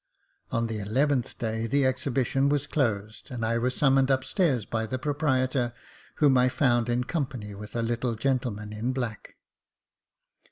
On the eleventh day the exhibition was closed, and I was summoned upstairs by the proprietor, whom I found in company with a little gentleman in black.